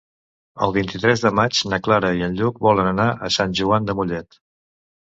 El vint-i-tres de maig na Clara i en Lluc volen anar a Sant Joan de Mollet.